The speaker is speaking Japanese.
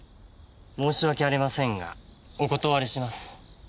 申し訳ありませんがお断りします。